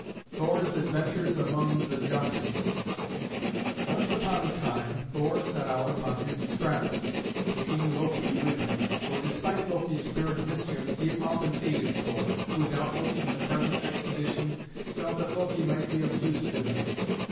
THOR'S ADVENTURES AMONG THE JÖTUNS ADAPTED BY JULIA GODDARD Once upon a time Thor set out upon his travels, taking Loki with him, for despite Loki's spirit of mischief he often aided Thor, who doubtless, in the present expedition, felt that Loki might be of use to him.